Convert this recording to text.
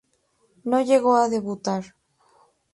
No llegó a debutar.